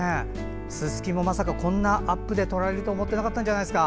ススキも、まさかこんなアップで撮られるとは思ってなかったんじゃないですか。